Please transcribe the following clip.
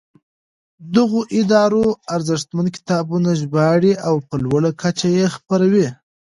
دغو ادارو ارزښتمن کتابونه ژباړي او په لوړه کچه یې خپروي.